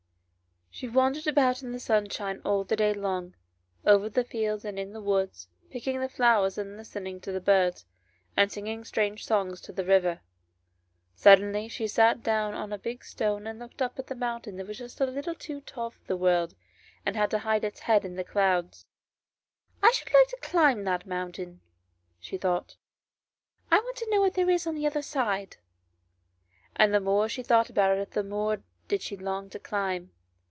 SHE wandered about in the sunshine all the day long, over the fields and in the woods, picking the flowers and listening to the birds, and singing strange songs to the river. Suddenly she sat down on a big stone and looked up at the mountain that was just a little too tall for the world, and had to hide its head in the clouds. " I should like to climb that mountain," she thought ;" I want to know what there is on the other side." And the more she thought about it the more did she long to climb.